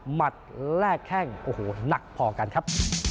หัดแลกแข้งโอ้โหหนักพอกันครับ